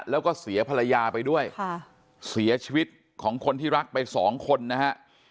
แล้วก็เสียภรรยาไปด้วยค่ะเสียชีวิตของคนที่รักไปสองคนนะฮะ